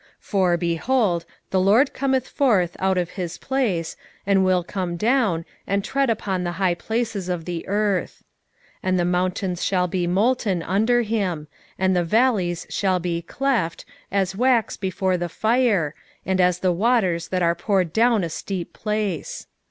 1:3 For, behold, the LORD cometh forth out of his place, and will come down, and tread upon the high places of the earth. 1:4 And the mountains shall be molten under him, and the valleys shall be cleft, as wax before the fire, and as the waters that are poured down a steep place.